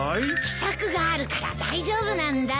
秘策があるから大丈夫なんだ。